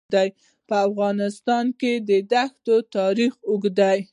په افغانستان کې د دښتې تاریخ اوږد دی.